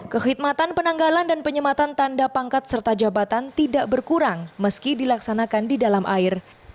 kekhidmatan penanggalan dan penyematan tanda pangkat serta jabatan tidak berkurang meski dilaksanakan di dalam air